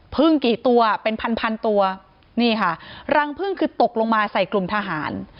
กี่ตัวเป็นพันพันตัวนี่ค่ะรังพึ่งคือตกลงมาใส่กลุ่มทหาร